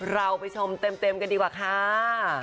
เราไปชมเต็มกันดีกว่าค่ะ